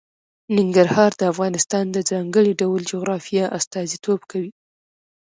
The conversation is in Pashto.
ننګرهار د افغانستان د ځانګړي ډول جغرافیه استازیتوب کوي.